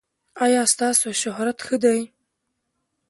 ایا ستاسو شهرت ښه دی؟